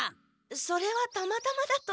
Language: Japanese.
それはたまたまだと思います。